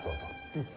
うん。